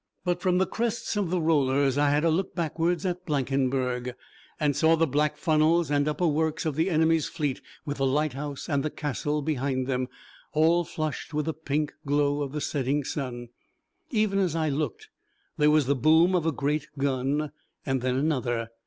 But from the crests of the rollers I had a look backwards at Blankenberg, and saw the black funnels and upper works of the enemy's fleet with the lighthouse and the castle behind them, all flushed with the pink glow of the setting sun. Even as I looked there was the boom of a great gun, and then another.